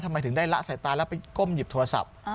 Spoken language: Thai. ทำไมถึงได้ละสายตาแล้วไปก้มหยิบโทรศัพท์